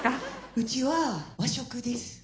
うちは和食です。